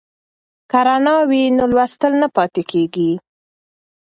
که رڼا وي نو لوستل نه پاتې کیږي.